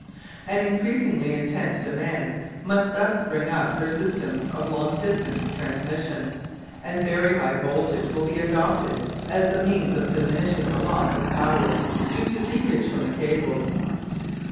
An increasingly intense demand must thus spring up for systems of long distance transmission, and very high voltage will be adopted as the means of diminishing the loss of power due to leakage from the cables.